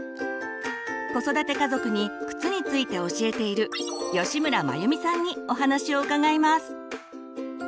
子育て家族に靴について教えている吉村眞由美さんにお話を伺います。